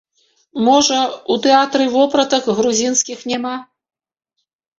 Можа, у тэатры вопратак грузінскіх няма.